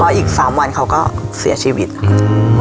เพราะอีกสามวันเขาก็เสียชีวิตอืมโอ้ยครับ